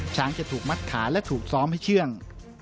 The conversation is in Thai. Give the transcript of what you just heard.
ช้างจะถูกมัดขาและถูกซ้อมให้เชื่อง